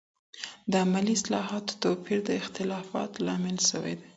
د علمي اصطلاحاتو توپير د اختلافاتو لامل سوی دی.